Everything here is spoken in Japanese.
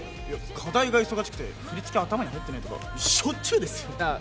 課題が忙しくて振り付け頭に入ってないとかしょっちゅうですよあっ